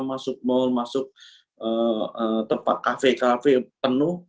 masuk mall masuk tempat kafe kafe penuh